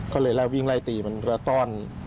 ก็เลยวิ่งไล่ตีมันแล้วต้อน